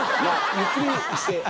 ゆっくりして。